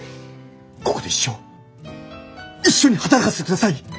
ここで一生一緒に働かせてください！